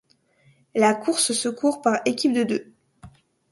La course se court par équipes de deux.